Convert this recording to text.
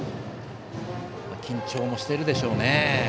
緊張もしてるでしょうね。